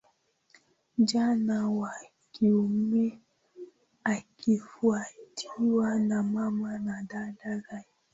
jamaa wa kiume akifuatiwa na mama na dada zake